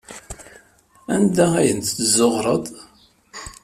Anda ay tent-tezzuɣreḍ?